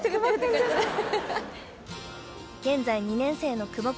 現在２年生の久保君。